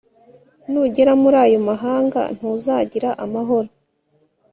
nugera muri ayo mahanga, ntuzagira amahoro